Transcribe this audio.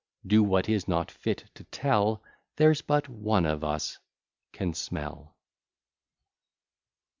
Do what is not fit to tell, There's but one of us can smell.